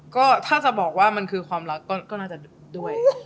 ก็ถ้าจะบอกว่ามันคือความรักก็น่าจะด้วย